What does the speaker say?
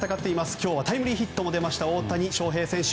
今日はタイムリーヒットも出ました大谷翔平選手。